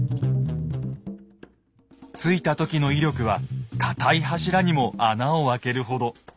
突いた時の威力は堅い柱にも穴を開けるほど。